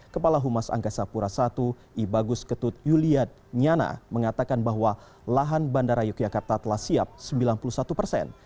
kepala humas angkasa pura i ibagus ketut yuliat nyana mengatakan bahwa lahan bandara yogyakarta telah siap sembilan puluh satu persen